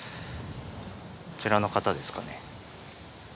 こちらの方ですかね。